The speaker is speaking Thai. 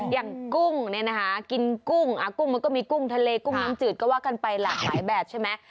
กุ้งเนี่ยนะคะกินกุ้งกุ้งมันก็มีกุ้งทะเลกุ้งน้ำจืดก็ว่ากันไปหลากหลายแบบใช่ไหม